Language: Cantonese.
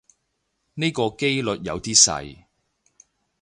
呢個機率有啲細